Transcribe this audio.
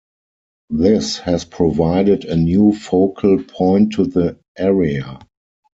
This has provided a new focal point to the area.